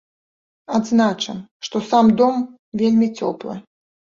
Адзначым, што сам дом вельмі цёплы.